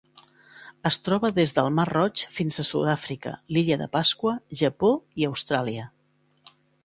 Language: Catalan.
Es troba des del Mar Roig fins a Sud-àfrica, l'Illa de Pasqua, Japó i Austràlia.